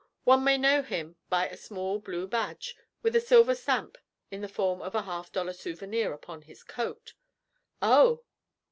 One may know him by a small blue badge with a silver stamp in the form of a half dollar souvenir upon his coat.' 'Oh!'